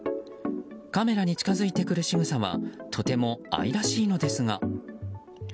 カメラに近づいてくる仕草はとても愛らしいのですが。